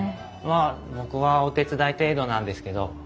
まあ僕はお手伝い程度なんですけど。